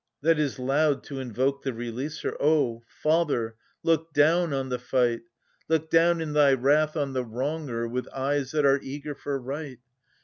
That is loud to invoke the releaser. O father, look down on the fight ; Look down in thy wrath on the wronger, with eyes that are eager for right.